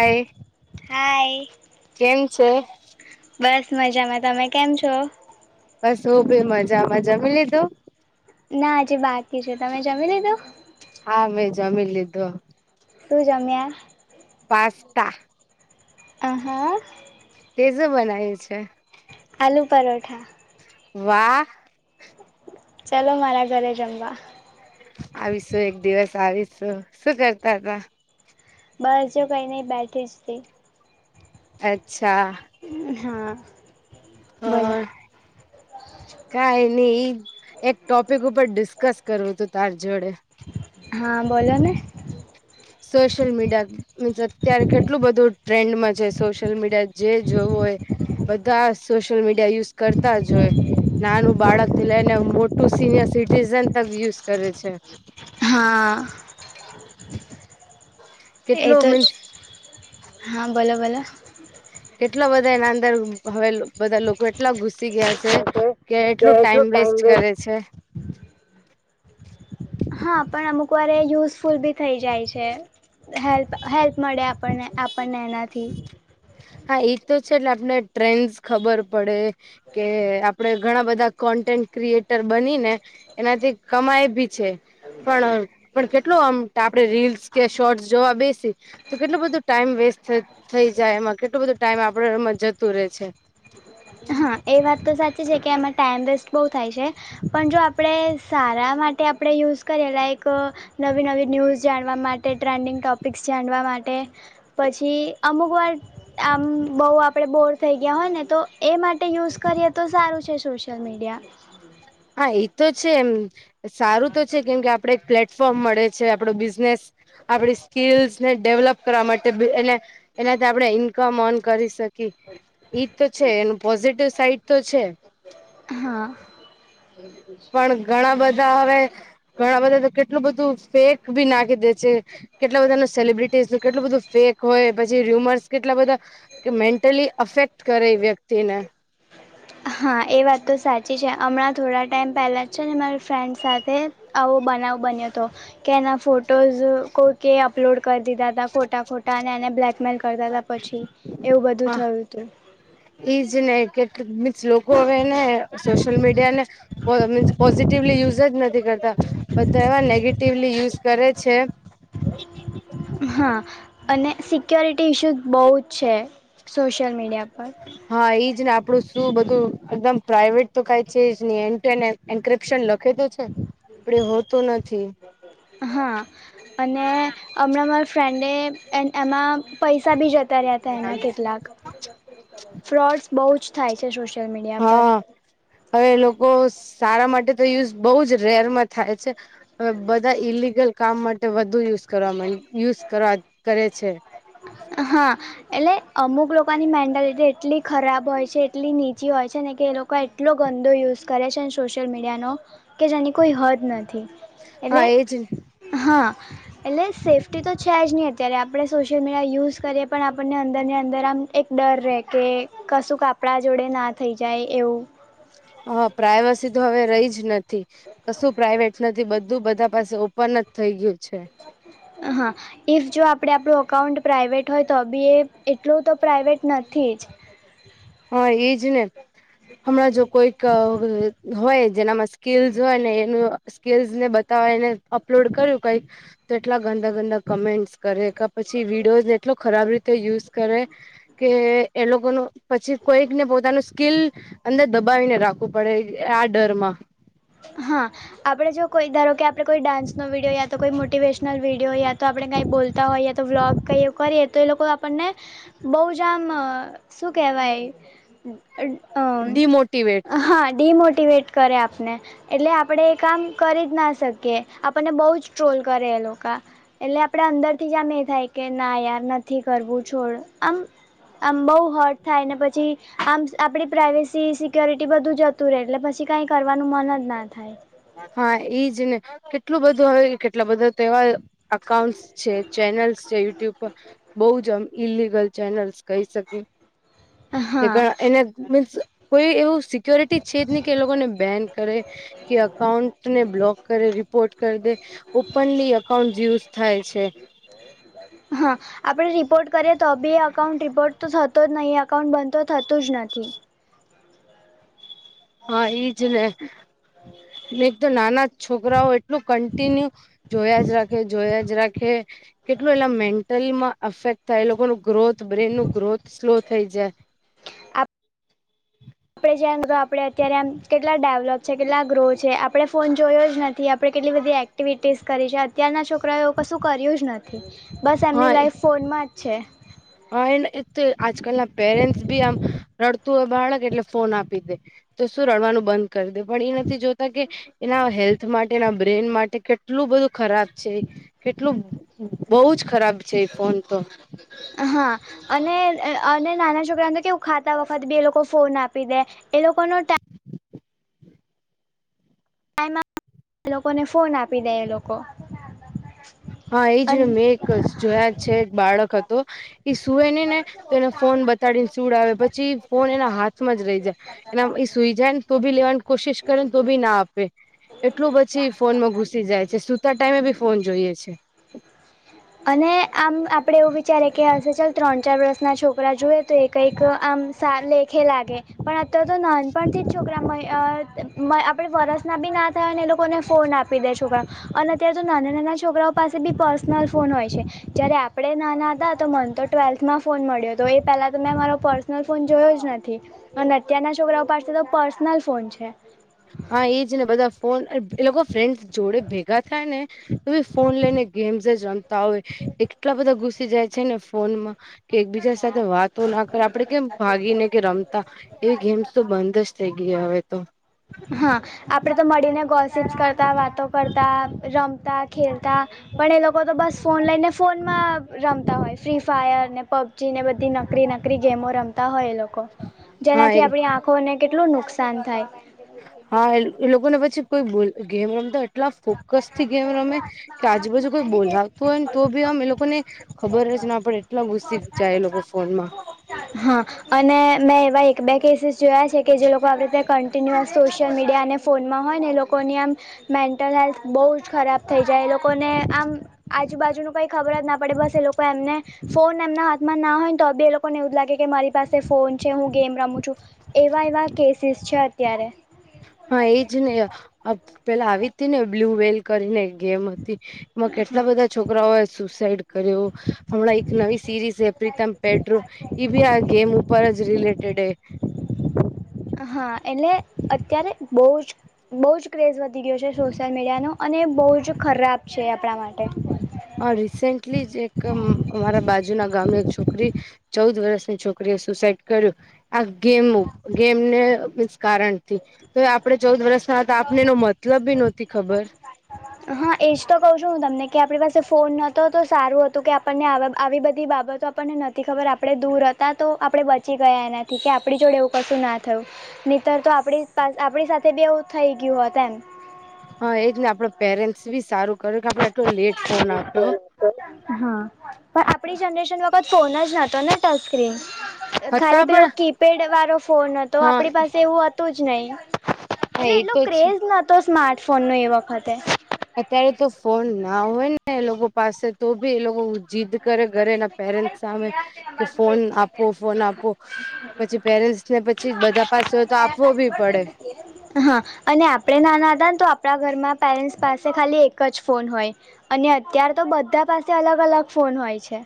હાય hi. કેમ છે બસ મજામાં તમે કેમ છો. બસ હું બી મજામાં જમી લીધું. ના આજે બાકી છે તમે જમી લીધું. હા મે જામી લીધું. શું જમ્યા. પાસ્તા. આહા. તે શું બન્યું છે. આલુ પરોઠા. વાહ. ચાલો મારા ઘરે જમવા. આવીશું એક દિવસ આવીશું શું કરતા હતા. બસ કઈ નહીં બેઠી જ તી. અચ્છા. હા બોલો. કઈ નઈ ઈ એક ટોપિક ઉપર ડિસ્કસ કરવું તું તાર જોડે. હા બોલો ને. સોશિલ મીડિયા [unintelligible] અત્યારે કેટલું બધું ટ્રેન્ડમાં છે સોશિયલ મીડિયા જે જોવું હોય. બધા સોશિયલ મીડિયા યુઝ કરતા જ હોય. નાનું બાળક થી લઈને મોટું સિનિયર સિટીઝન તક યુઝ કરે છે. હા. એ કેટલું તો જ મીન્સ હા બોલો બોલો કેટલા બધા એના અંદર હવે બધા લોકો એટલા ઘુસી ગયા છે. કે એટલું ટાઈમ વેસ્ટ કરે છે. હા પણ અમુક વાર યુઝફુલ બી થઈ જાય છે. હેલ્પ હેલ્પ મળે આપણને આપણને એનાથી. હા એ તો છે એટલે આપને ટ્રેન્ડસ ખબર પડે. કે આપડે ઘણા બધા કોન્ટેન્ટ ક્રિએટર બની ને એનાથી કમાય ભી છે પણ પણ કેટલું આમ આપડે રીલ્સ કે શોર્ટસ જોવા બેસી તો કેટલો બધો ટાઈમ વેસ્ટ થઈ જાય એમાં કેટલોું બધું ટાઈમ આપડ એમાં જતું રહે છે. હા એ વાત તો સાચી છે કે એમાં ટાઈમ વેસ્ટ બહુ થાય છે પણ જો આપણે સારા માટે આપણે યુઝ કરીએ લાઈક નવી નવી ન્યૂઝ જાણવા માટે ટ્રેન્ડિંગ ટોપિક્સ જાણવા માટે પછી અમુક વાર આમ બહુ આપડે બોર થઈ ગયા હોય ને તો એ માટે યુઝ કરીએ તો સારું છે સોશિયલ મીડિયા હા એ તો છે એમ સારું તો છે કેમ કે આપડે એક પ્લેટફોર્મ મળે છે આપણો બિઝનેસ આપડી સ્કીસ ને ડેવલપ કરવા માટે તએને એનાથી આપણે ઇન્કમ ઓન કરી શકીએ ઈ તો છે એનું પોઝિટિવ સાઈડ તો છે હા હમ [unintelligible] પણ ઘણા બધા હવે ઘણા બધા તો કેટલું બધું ફેક ભી નાખી દે છે. કેટલા બધા ન સેલિબ્રિટીઝ નું કેટલું બધું ફેક હોય પછી ર્યુમર્સ કેટલા બધા કે મેન્ટલી અફેક્ટ કરે એ વ્યક્તિ ને હા, એ વાત તો સાચી છે હમણાં થોડા ટાઈમ પહેલાં જ છે ને મારી ફ્રેન્ડ સાથે આવો બનાવ બન્યો હતો કે એના ફોટોઝ કોઈકે અપલોડ કરી દીધા ખોટા ખોટા અને એને બ્લેકમેલ કરતા હતા પછી એવું બધું થયું હતું ઈજ ને કેટલીક મીન્સ લોકો હવે ને સોશિયલ મીડિયા ને મીન્સ પોઝિટિવલી યુઝ જ નથી કરતા બધા એવા નેગેટિવલી યુઝ કરે છે. હા અને સિક્યોરિટી ઇશ્યૂઝ બહુ જ છે સોશિયલ મીડિયા પર હા એજ ને આપણું શું બધું એકદમ પ્રાઇવેટ તો કાય છે જ ન એન ટુ એન એન્કપ્શન લખે તો છે પર હોતું નથી હા અને હમણાં મારા ફ્રેન્ડે એમાં પૈસા બી જતા અત્યારે ત એના કેટલાક ફ્રોડ્સ બહુ જ થાય છે સોશિયલ મીડિયા પર હા હવે એ લોકો સારા માટે તો યુઝ બહુ જ રેરમાં થાય છે. હવે બધા ઈલિગલ કામ માટે વધુ યુઝ કરવા યુઝ કરવા કરે છે. હા એટલે અમુક લોકોની મેન્ટાલિટી એટલી ખરાબ હોય છે એટલી નીચી હોય છે ને કે એ લોકો કોઈ એટલો ગંદો યુઝ કરે છે ને સોશિયલ મીડિયાનો કે જેની કોઈ હદ નથી હા એટલે એજ હા એટલે સેફ્ટી તો છે જ નહી અત્યારે આપડણે સોશિયલ યુઝ કરી પણ આપણને અંદર ની અંદર આમ એક ડર રે કે કસુ આપડા જોડે ના થઈ જાય એવું. હ પ્રાઇવેસી તો હવે રહી જ નથી કશું પ્રાાઈવેટ નથી બધું બધા પાસે ઓપન થઈ ગયું છે. હ હા ઇફ જો આપણે આપણું અકાઉન્ટ પ્રાઇવેટ હોય તો બી એ એટલું તો પ્રાઇવેટ નથી જ હા એજ ને હમણાં જો કોઈક હોય જેનામાં સ્કીલ્સ હોય ને એનું સ્કીલ્સ ને બતાવીને અપલોડ કર્યું કઈક તો એટલા ગંદા ગંદા કમેન્ટ્સ કરે કે પછી વિડીયોઝને એટલો ખરાબ રીતે યુઝ કરે કે એ લોકો નો પછી કોઈકને પોતાનું સ્કીલ અંદર દબાવીને રાખવું પડે આ ડર માં હા આપણે જો કોઈ ધારો કે આપણે કોઈ ડાન્સનો વિડીયો યા તો કોઈ મોટીવેશનલ વિડીયો યા તો આપણે કાઈ બોલતા હોય યા તો બ્લોગ કઈ કરી એ તો એ લોકો આપણને બહુ જામ શું કહેવાય ડિમોટીવેટ અ હા ડીમોટીવેટ કરે આપને એટલે આપણેે એ કામ કરી જ ના શકીએ આપણને બહુ જ ટ્રોલ કરે એ લોકો એટલે આપણે અંદર થી જ આમ એ થાય કે ના યાર નથી કરવું છોડ આમ આમ બહુ હર્ટ થાય ને પછી આમ આપડી પ્રાઇવેસી સિક્યોરિટી બધું જ તુ રે એટલે પછી કઈ કરવાનું મન જ ના થાય. હા, ઈજ ને કેટલું બધું હવે કેટલા બધા તેવા અકાઉન્ટ્સ છે ચેનલ્સ છે યુટ્યુબ પર બઉ જ આમ ઇલિગલ ચેનલ્સ કહી શકીએ. તે હા ગયા એને મીન્સ કોઈ એવું સિક્યોરિટી છે જ નહીં કે એ લોકો ને બેન કરે કે અકાઉ ટને બ્લોક કરે રિપોર્ટ કરી દે ઓપનલી અકાઉન્ટ યુઝ થાય છે. ટી ટી... હા. આપડે રિપોર્ટ કરીએ તો બી અકાઉન્ટ રિપોર્ટ તો થતો જ નહીં અકાઉન્ટ બંધ તો થતું જ નથી. હા, ઈજ ને એક તો નાના છોકરાઓ એટલું કન્ટિન્યુ જોયા જ રાખે જોયા જ રાખે કેટલું એલા મેન્ટલમાં અફેક્ટ થાય એ લોકો નું ગ્રોથ બ્રેન નું ગ્રોથ સ્લો થઈ જાય. આપડે જેમ ગા આપડે અત્યારે આમ કેટલા ડેવલોપ છે કેટલા ગ્રો છે આપડણે ફોન જોયો જ ન થી આપડે કેટલી બધી એક્ટિવિટીઝ કરી છે અતારના છોકરાએ એ કશું કર્યું જ ન થી. બસ હા એમની લાઈફ ફોનમાં જ છે. હા, એ તે આજકાલના પેરેન્ટસ બી આમ રડતું હોય બાળક એટલે ફોન આપી દે. તો શું રડવાનું બંધ કરી દે પણ એ નથી જોતા કે એના હેલ્થ માટે એના બ્રેન માટે કેટલું બધું ખરાબ છે. કેટલું બહું જ ખરાબ છે એ ફોન તો. હા. અને અહ અને નાના છોકરાને તો કેવું ખાતા વખત બી એ લોકો ફોન આપી દે એ લોકોનો તે લોકોને ફોન આપી દે એ લોકો. હા, એ જો અને મેં એક જોયા છે એક બાળક હતો એ સુવે ને ને તો એને ફોન બતાડીને સુવડાવી પછી ફોન એના હાથમાં જ રહી જાય. એના એ સુઈ જાયને તો બી લેવાની કોશિશ કરે ને તો બી ના આપે એટલું પછી ફોન માં ઘુસી જાય છે સુતા ટાઈમે બી ફોન જોઈએ છે. અને આમ આપડે એવું વિચારે કે હશે ચાલ ત્રણ ચાર વર્ષના છોકરા જોએ તો કઈક આમ સા લેખે લાગે પણ આ તો નાનપણથી જ છોકરા માં અહ ત માં અહ આપણે વરસના બી ના થયા અનેને એ લોકોને ફોન આપી દે છોકરા અને અત્યારે તો નાના નાના છોકરાઓ પાસે બી પર્સનલ ફોન હોય છે જયારે આપડે નાના હતા તો મને તો ટ્વેલ્થમાં ફોન મળ્યો હતો એ પહેલાં તો મેં મારો પર્સનલ ફોન જોયો જ નથી. અને અત્યારના છોકરાઓ પાસે તો પર્સનલ ફોન છે. હા, એ જ ને બધા ફોન અહ એ લોકો ફ્રેન્ડ જોડે ભેગા થાય ને એબી ફોન લઈને ગેમ્સ જ રમ તો આવે એટલા બધા ઘુસી જાય છે ને ફોનમાં કે એકબીજા સાથે વાતો ના કર આપડે કેમ ભાગીને કે રમતા એ ગેમ્સ તો બંધ જ થઈ ગયા હવે તો. હા, આપડે તો મળીને ગો શિપસ કરતા વાતો કરતા રમતા ખેલતા પણ એ લોકો તો બસ ફોન લઈને ફોનમાં રમતા હોય ફ્રી ફાયર ને પબજીને બધી નકરી નકરી ગેમો રમતા હોય એ લોક કો હા એ જેનાથી આપડી આંખોને કેટલું નુકસાન થાય. હા, એ એ લોકોને પછી કોઈ બોલ ગેમ રમતો એટલા ફોકસ થી ગેમ રમે કે આજુબાજુ કોઈ બોલાવતું હોય ને તો ભી આમ એ લોકોને ખબર જ ને આપે એટલા ગુસ્સી જાય એ લોકો ફોનમાં. હા, અને મેં એવા એક બે કેસેસ જોયા છે કે જે લોકો આવી રીતે કન્ટિન્યુઅસ સોશિયલ મીડિયા અને ફોનમાં હોય ને એ લોકોની આમ મેન ટલ હેલ્થ બહુ જ ખરાબ થઈ જાય લોકોને આમ આજુ બાાજુ ન કઈ ખબર જ ના પડે બસ એ લોકો એમને ફોન એમના હાથમાં ના હોય ને તો બી એ લોકો ને એવું લાગે કે મારી પાસે ફોન છે હું ગેમ રમું છું એવા એવા કેસીસ છે અત્યારે હા એ જ ને પેલા આવી હતી ને બ્લુ વેલ કરીને ગેમ હતી એમાં કેટલા બધા છોકરાઓ એ સુસાઈડ કર્યો હમણાં એક નવી સિરીઝ હૈ પ્રીતમ પેડ્રો ભી આ ગેમ ઉપર જ રિલેટેડ હૈ હા એટલે અત્યારે બહુ જ બહુ જ ક્રેઝ વધી ગયો છે સોશિયલ મીડિયાનો અને બહુ જ ખરાબ છે આપણા માટે હ રિસેન્ટલી જ એક અમારા બાજુના ગામની એક છોકરી ચૌદ વર્ષની છોકરીએ સુસાઈડ કર્યું આ ગેમ ગેમને કારણ થી તો આપડે ચૌદ વર્ષના હતા આપને એનો મતલબ બી નહોતી ખબર હા એજ તો કહું છું હું તમને કે આપણી પાસે ફોન નતો તો સારું હતું કે આપણને આવી બધી બાબતો આપણને નથી ખબર આપણે દૂર હતા તો આપડણે બચી ગયા એનાથી કે આપણી જોડે એવું કશું ના થયું નીતર તો આપડી આપણી સાથે બી એવું થઈ ગયું હોત એમ હા એ જ ને આપડા પેરેન્ટ્સ બી સારું કરે કે આપડે આટલો લેટ હા ફોન આપ્યો પણ આપડી જનરેશન ફોન જ નોતો ને ટચસ્ક્રીન હતા ખાલી પેલો પણ કીપેડ વાળો ફોન હતો હા આપણી પાસે એવું હતું જ નહી હા એટલે એ એટલો તો છે ક્રેઝ નતો સ્માર્ટફોન નો એ વખતે અત્યારે તો ફોન ના હોય ને એ લોકો પાસે તો બી એ લોકો જીદ કરે ઘરે એના પેરેન્ટ સામે કે ફોન આપ આપો ફોન આપવો પછી પેરેન્ટ્સ ને પછી બધા પાસે તો આપવો બી પડે [inaudible] હા અને આપણે ના ના હતા ને તો આપણા ઘરમાં પેરેન્ટ્સ પાસે ખાલી એક જ ફોન હોય અને અત્યાર તો બધા પાસે અલગ અલગ ફોન હોય છે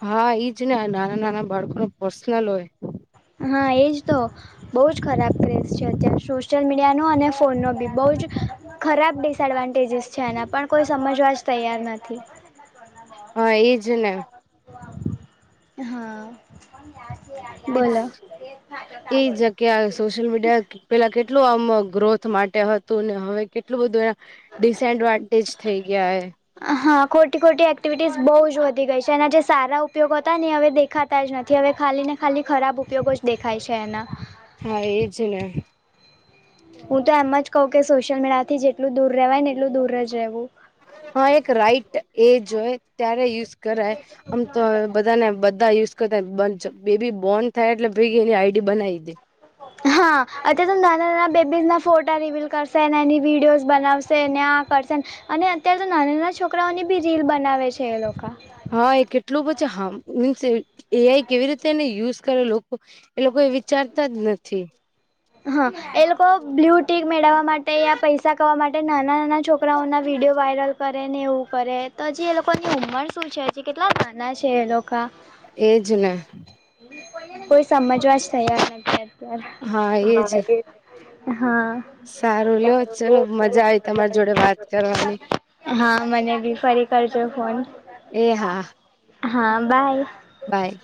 હા ઈજ ને નાના નાના બાળકો ને પર્સનલ હોય હા એજ તો બહુ જ ખરાબ ક્રેઝ છે અત્યારે સોશિયલ મીડિયાનો અને ફોનનો બી બહુ જ ખરાબ ડિસએડવાન્ટેજસ છે એના પણ કોઈ સમજવા જ તૈયાર નથી હ એજ ને હા ઇટ્સ બોલો એ જ કે આ સોશિયલ મીડિયા પેલા કેટલું આમ ગ્રોથ માટે હતું ને હવે કેટલું બધું એના ડિસએડવાન્ટેજ થઈ ગયા એ હા ખોટી ખોટી એક્ટિવિટીસ બહુ જ વધી ગઈ છે એના જે સારા ઉપયોગ હતા ને હવે દે ખાતા જ નથી હવે ખાલી ને ખાલી ખરાબ ઉપયોગો જ દેખાય છે એના હા એજ ને હું તો એમ જ કઉું કે સોશિયલ મીડિયા થી જેટલું દૂર રહેવાય ને એટલું દૂર જ રહેવું હા એક રાઈટ એજ હોય ત્યારે યુઝ કરાય આમ તો બધાને યુઝ કરતા બેબી બોર્ન થાય એટલે ભી એની આઈડી બનાવી દે હા અત્યારે તો નાના નાના બેબીઝના ફોટા રિવિલ કરશે અનેને એની વિડીયોઝ બનાવશે ને આ કરશેને અને અત્ય્યારે તો નાના નાના છોકરાઓની બી રીલ બનાવે છે એ લોકો હા એ કેટલું બછી હા મીન્સ એ આઈ કેવી રીતે એને યુઝ કરે લોકો એ લોકો એ વિચારતા જ નથી હા એ લોકો બ્લુ ટીક મેળવવા માટે યા પૈસા કરવાવા માટે નાના નાના છોકરાઓના વિડીયો વાયરલ કરે ને એવું કરે તો હજી એ લોકોની ઉંમર શું છે હજી કેટલા નાના છે એ લોકો એજ ને કોઈ સમજવા જ તૈયાર નથી હા એજ અત્યારે હા સારું લો ચલો મજા આવી તમારી જોડે વાત કરવાની હા મને બી ફરી કરજો ફોન એ હા હા બાય બાય.